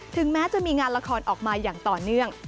แม้จะมีงานละครออกมาอย่างต่อเนื่อง